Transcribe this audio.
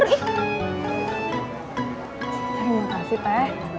terima kasih teh